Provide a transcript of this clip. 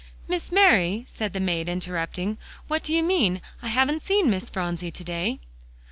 "Miss Mary," said the maid, interrupting, "what do you mean? I haven't seen Miss Phronsie to day."